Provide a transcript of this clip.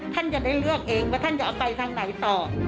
ท่านจะได้เลือกเองว่าท่านจะเอาไปทางไหนต่อ